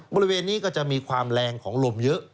บริเวณนี้ก็จะมีความแรงของลมเยอะ